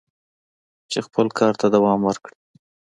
چې خپل کار ته دوام ورکړي."